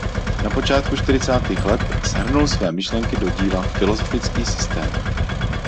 Na počátku čtyřicátých let shrnul své myšlenky do díla „Filozofický systém“.